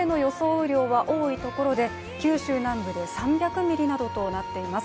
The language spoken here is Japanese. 雨量は多いところで九州南部で３００ミリなどとなっています。